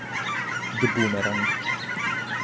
The Boomerang